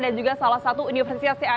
dan juga salah satu universitas blueberry